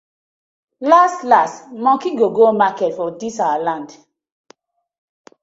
Lass lass monkey go go market for dis we land.